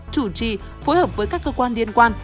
chủ trì phối hợp với các cơ quan liên quan